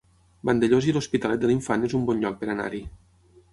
Vandellòs i l'Hospitalet de l'Infant es un bon lloc per anar-hi